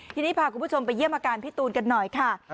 ทีนี้พาคุณผู้ชมไปเยี่ยมอาการพี่ตูนกันหน่อยค่ะ